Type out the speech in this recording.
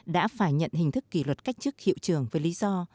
đã phải nhận hình thức kỷ luật cách chức hiệu trưởng với lý do